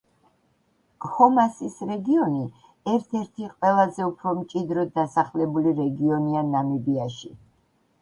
კჰომასის რეგიონი ერთ-ერთი ყველაზე უფრო მჭიდროდ დასახლებული რეგიონია ნამიბიაში.